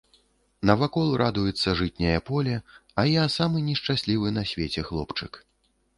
Навакол радуецца жытняе поле, а я самы нешчаслівы на свеце хлопчык.